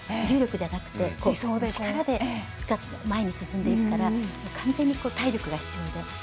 重力じゃなくて力で前に進んでいくから完全に体力が必要で。